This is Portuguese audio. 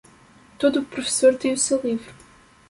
Todo professor tem seu livro.